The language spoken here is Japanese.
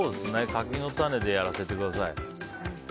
柿の種でやらせてください。